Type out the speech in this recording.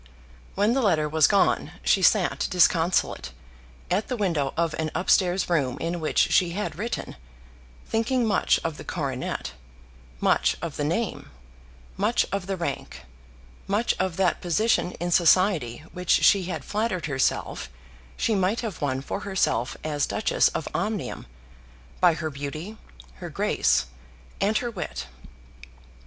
When the letter was gone she sat disconsolate, at the window of an up stairs room in which she had written, thinking much of the coronet, much of the name, much of the rank, much of that position in society which she had flattered herself she might have won for herself as Duchess of Omnium by her beauty, her grace, and her wit.